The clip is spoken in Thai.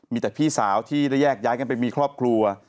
มีแต่พี่สาวที่ได้แยกย้ายกันไปมีครอบครัว